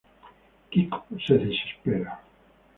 Quico se desespera.